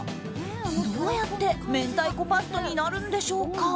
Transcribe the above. どうやって明太子パスタになるんでしょうか？